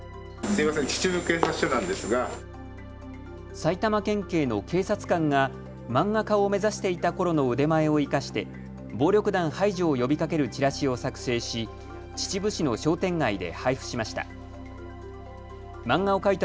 埼玉県警の警察官が漫画家を目指していたころの腕前を生かして暴力団排除を呼びかけるチラシを作成し秩父市の商店街で配布しました。